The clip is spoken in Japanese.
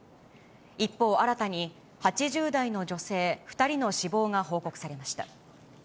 一方、新たに８０代の女性２人の死亡が報告されました。